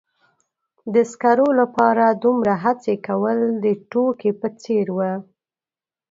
د سکرو لپاره دومره هڅې کول د ټوکې په څیر و.